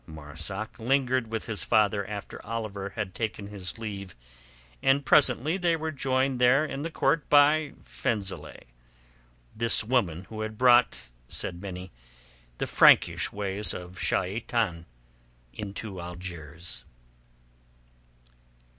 Marzak lingered with his father after Oliver had taken his leave, and presently they were joined there in the courtyard by Fenzileh—this woman who had brought, said many, the Frankish ways of Shaitan into Algiers.